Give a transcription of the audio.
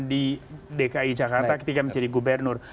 di dki jakarta ketika menjadi gubernur